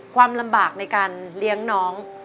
ความลำบากในการเลี้ยงน้อง